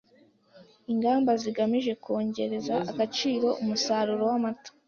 ingamba zigamije kongerera agaciro umusaruro w'amata